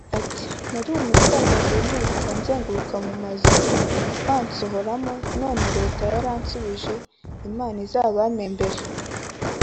ati “ Nari umupfakazi nirirwa nzenguruka mu mazu bansohoramo none Leta yaransubije Imana izabampembere